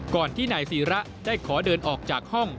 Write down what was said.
ก่อนที่นายศีระได้ขอเดินออกจากห้อง